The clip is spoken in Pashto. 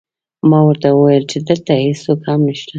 ما ورته وویل چې دلته هېڅوک هم نشته